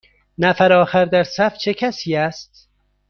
نفر آخر در صف چه کسی است؟